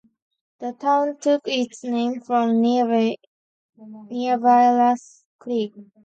The town took its name from nearby Latah Creek.